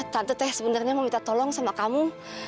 tante teh sebenernya mau minta tolong sama kamu